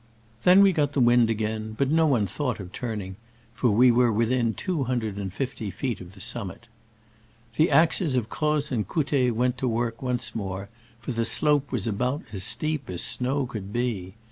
Then we got the wind again, but no one thought of turning, for we were within two hun dred and fifty feet of the summit. The axes of Croz and Couttet went to work once more, for the slope was about as steep as snow could be.